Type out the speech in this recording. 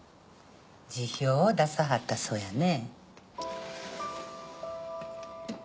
辞表を出さはったそうやね。